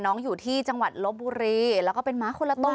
อยู่ที่จังหวัดลบบุรีแล้วก็เป็นม้าคนละตัว